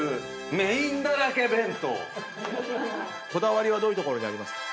こだわりはどういうところにありますか？